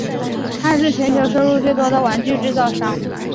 它是全球收入最多的玩具制造商。